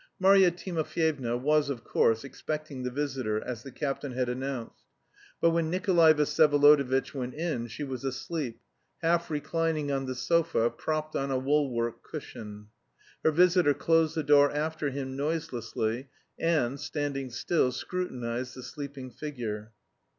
Marya Timofyevna was, of course, expecting the visitor, as the captain had announced. But when Nikolay Vsyevolodovitch went in, she was asleep, half reclining on the sofa, propped on a woolwork cushion. Her visitor closed the door after him noiselessly, and, standing still, scrutinised the sleeping figure.